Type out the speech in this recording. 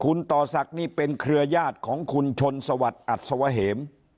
คุณต่อศักดิ์นี้เป็นครัวญาติของแค่คุณชนสวัตย์อัตรีสวะเหม